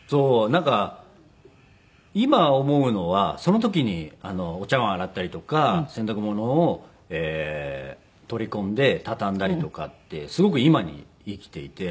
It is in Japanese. なんか今思うのはその時にお茶わん洗ったりとか洗濯物を取り込んで畳んだりとかってすごく今に生きていて。